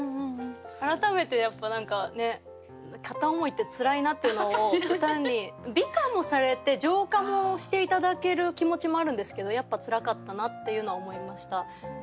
改めてやっぱ何か片思いってツラいなっていうのを歌に美化もされて浄化もして頂ける気持ちもあるんですけどやっぱツラかったなっていうのは思いました。